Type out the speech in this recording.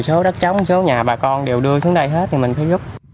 số đất chống số nhà bà con đều đưa xuống đây hết thì mình phải rút